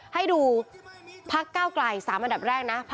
ให้ดูพักเก้าไกล๓อันดับแรกนะ